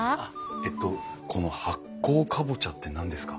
えとこの発酵カボチャって何ですか？